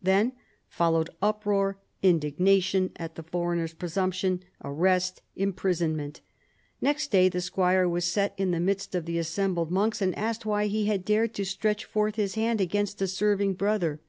Then followed uproar, indignation at the foreigner's presumption, arrest, imprisonment. Next da}' the squire was set in the midst of the as semljled monks and asked why he had dared to stretch forth his hand against a serving brother.